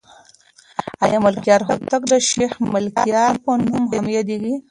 آیا ملکیار هوتک د شیخ ملکیار په نوم هم یادېږي؟